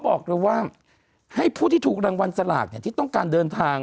บอกเลยว่าให้ผู้ที่ถูกรางวัลสลากที่ต้องการเดินทาง